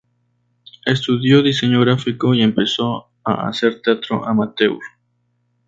Estudió diseño gráfico y empezó a hacer teatro amateur.